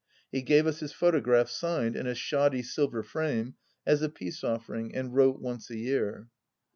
He gave us his photograph, signed, in a shoddy silver frame, as a peace offering and wrote once a year.